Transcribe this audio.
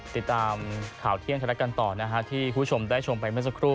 ติดตามข่าวเที่ยงไทยรัฐกันต่อนะฮะที่คุณผู้ชมได้ชมไปเมื่อสักครู่